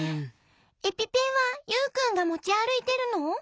エピペンはユウくんがもちあるいてるの？